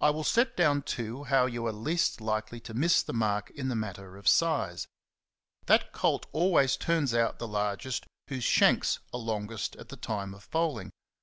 I will set down, too, how you are least likely to miss the mark in the matter of size. That colt always turns out the largest whose shanks are longest at the time of foaling.